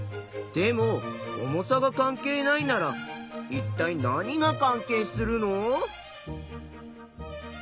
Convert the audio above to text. でも重さが関係ないならいったい何が関係するの？